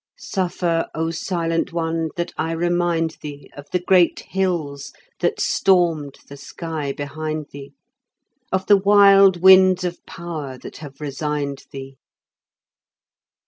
Suffer, O silent one, that I remind thee Of the great hills that stormed the sky behind thee, Of the wild winds of power that have resigned thee.